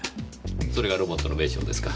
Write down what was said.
それがロボットの名称ですか？